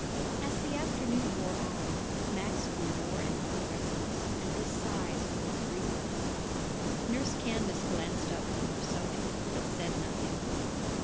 As the afternoon wore on, Max grew more and more restless and his sighs more frequent. Nurse Candace glanced up from her sewing, but said nothing.